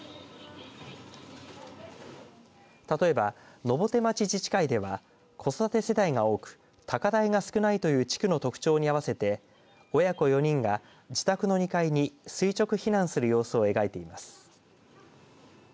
例えば、上手町自治会では子育て世代が多く、高台が少ないという地区の特徴に合わせて親子４人が自宅の２階に垂直避難する様子を描いています。